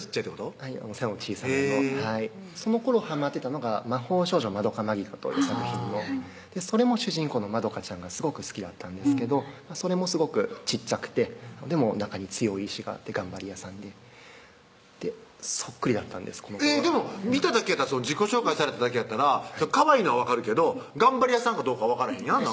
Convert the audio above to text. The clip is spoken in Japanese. はい背の小さいそのころはまってたのが魔法少女まどか☆マギカという作品のそれも主人公のまどかちゃんがすごく好きだったんですけどそれもすごく小っちゃくてでも中に強い意志があって頑張り屋さんでそっくりだったんですでも見ただけやったら自己紹介されただけやったらかわいいのは分かるけど頑張り屋さんかどうかは分かれへんやん？